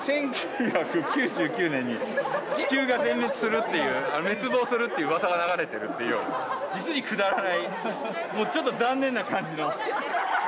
１９９９年に地球が全滅するっていう、滅亡するっていううわさが流れてるっていう、実にくだらない、もう、ちょっと残念な感じの。